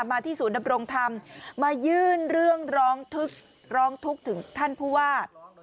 มาที่ศูนย์ดำรงธรรมมายื่นเรื่องร้องทุกข์ถึงท่านผู้ว่า